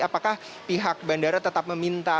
apakah pihak bandara tetap meminta